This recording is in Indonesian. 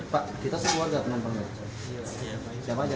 pak kita sekeluarga penampangnya